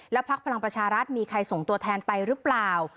พักพลังประชารัฐมีใครส่งตัวแทนไปหรือเปล่า